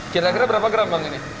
kira kira berapa gram bang ini